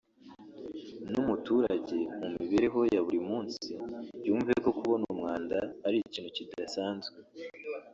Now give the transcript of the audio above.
n’umuturage mu mibereho ye ya buri munsi yumve ko kubona umwanda ari ikintu kidasanzwe